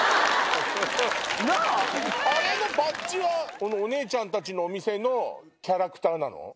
あのバッジはお姉ちゃんたちのお店のキャラクターなの？